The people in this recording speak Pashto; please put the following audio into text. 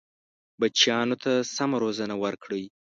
بچیانو ته سمه روزنه ورکړئ.